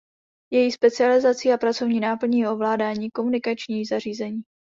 Její specializací a pracovní náplní je ovládání komunikačních zařízení.